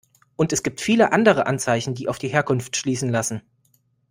Und es gibt viele andere Anzeichen, die auf die Herkunft schließen lassen.